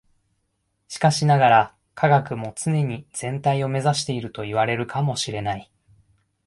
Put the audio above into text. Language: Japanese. しかしながら、科学も常に全体を目指しているといわれるかも知れない。